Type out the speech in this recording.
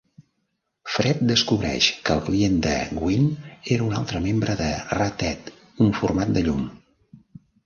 Fred descobreix que el client de Gwen era un altre membre de Ra-tet, un format de llum.